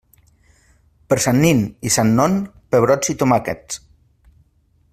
Per Sant nin i Sant Non, pebrots i tomàquets.